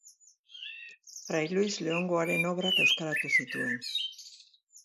Frai Luis Leongoaren obrak euskaratu zituen.